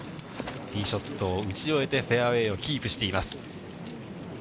ティーショットを打ち終えて、フェアウエーをキープしています。